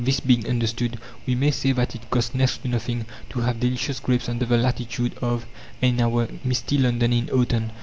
This being understood, we may say that it costs "next to nothing" to have delicious grapes under the latitude of, and in our misty London in autumn.